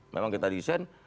memang kita desain